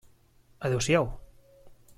Adéu-siau.